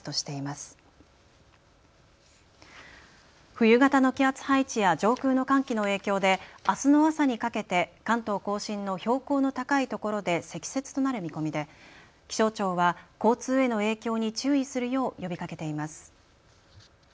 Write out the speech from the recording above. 冬型の気圧配置や上空の寒気の影響であすの朝にかけて関東甲信の標高の高い所で積雪となる見込みで気象庁は交通への影響に注意するよう呼びかけています。